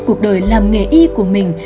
cuộc đời làm nghề y của mình